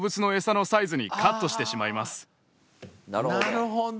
なるほど。